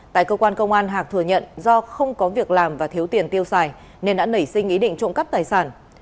tại cơ quan công an hạc thừa nhận do không có việc làm và thiếu tiền tiêu xài nên đã nảy sinh ý định trộm cắp tài sản